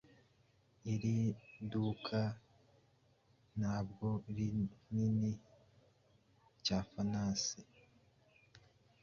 Iri duka ntabwo rinini cyanefantasi